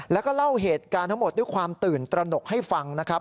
แล้วก็เล่าเหตุการณ์ทั้งหมดด้วยความตื่นตระหนกให้ฟังนะครับ